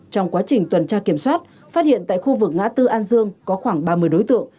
trong quá trình tuần tra kiểm soát phát hiện tại khu vực ngã tư an dương có khoảng ba mươi đối tượng